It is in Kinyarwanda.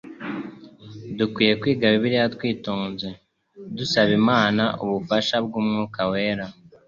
Dukwiye kwiga Bibliya twitonze, dusaba Imana ubufasha bw'Umwuka Wera